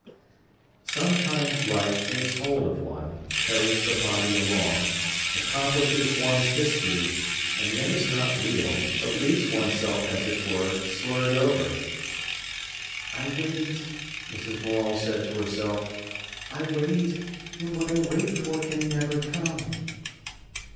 Sometimes life takes hold of one, carries the body along, accomplishes one's history, and yet is not real, but leaves oneself as it were slurred over. "I wait," Mrs. Morel said to herself—"I wait, and what I wait for can never come."